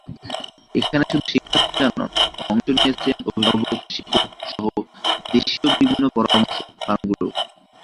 এখানে শুধু শিক্ষার্থীরা নন, অংশ নিয়েছেন অভিভাবক, শিক্ষকসহ দেশীয় বিভিন্ন পরামর্শক ফার্মগুলোও।